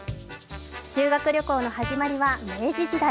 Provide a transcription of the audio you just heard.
修学旅行の始まりは明治時代。